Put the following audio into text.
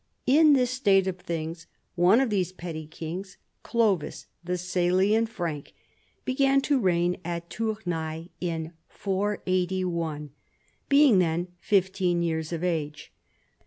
In this state of things one of these petty kings, Clovis,* the Salian Frank, f began to reign at Tournai in 481, being then fifteen years of age.